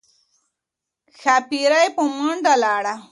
ښاپیرۍ په منډه لاړه